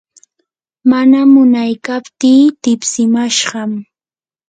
mana munaykaptii tipsimashqam.